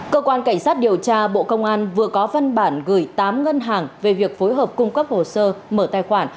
cơ quan cảnh sát điều tra bộ công an vừa có văn bản gửi tám ngân hàng về việc phối hợp cung cấp hồ sơ mở tài khoản